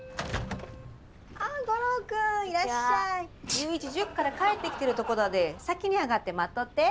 ゆういち塾から帰ってきてるとこだで先に上がって待っとって。